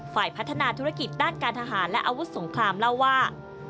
ฝ่ายพัฒนาธุรกิจด้านการทหารและอาวุธสงครามเล่าว่า